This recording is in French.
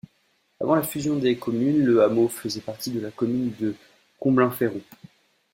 Avant la fusion des communes, le hameau faisait partie de la commune de Comblain-Fairon.